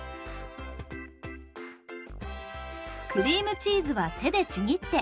クリームチーズは手でちぎって。